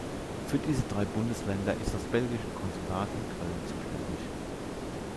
Für diese drei Bundesländer ist das belgische Konsulat in Köln zuständig.